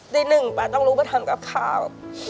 ตีหนึ่งป้าต้องลุกไปทำกับข้าว